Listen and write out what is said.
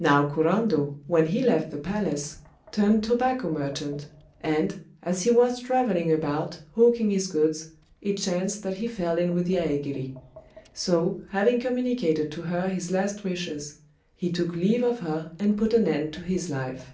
Now Kurando, when he left the palace, turned tobacco merchant, and, as he was travelling about hawking his goods, it chanced that he fell in with Yaégiri; so, having communicated to her his last wishes, he took leave of her and put an end to his life.